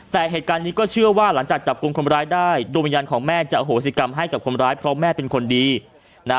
แต่เหตุการณ์นี้ก็เชื่อว่าหลังจากจับกลุ่มคนร้ายได้ดวงวิญญาณของแม่จะอโหสิกรรมให้กับคนร้ายเพราะแม่เป็นคนดีนะ